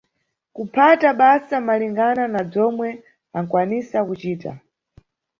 Kuphata basa malingana na bzomwe ankwanisa kucita.